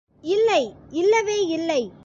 இல்லை, இல்லவே இல்லை!